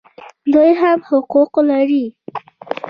دوی هم حقوق لري